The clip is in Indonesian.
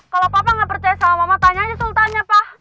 kalau papa nggak percaya sama mama tanya aja sultannya pak